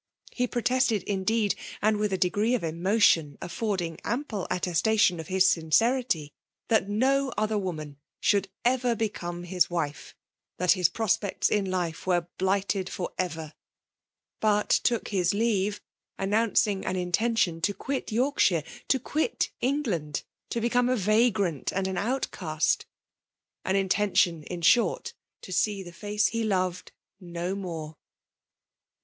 He protested^ indeed* KBMAXE POMI NATION. 275 aikd with a degree of emotion affording ample attestation of his sincerity^ that no other woman should ev^ become his wife^ that his prospects in life were blighted for ever; but took his leave, announcing an intention to qmt Yorkshire, to quit England, to become a vagrant and an outcast; an intention, iA Aart, to see the face he loved, no more.